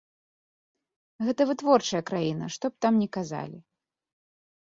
Гэта вытворчая краіна, што б там ні казалі.